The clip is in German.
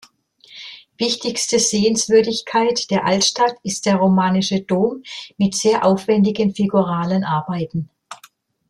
Wichtigste Sehenswürdigkeit der Altstadt ist der romanische Dom mit sehr aufwändigen figuralen Arbeiten.